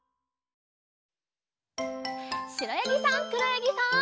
しろやぎさんくろやぎさん。